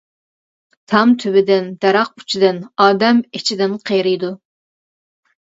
تام تۈۋىدىن، دەرەخ ئۇچىدىن، ئادەم ئىچىدىن قېرىيدۇ.